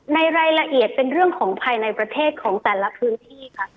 ในรายละเอียดเป็นเรื่องของภายในประเทศของแต่ละพื้นที่ค่ะ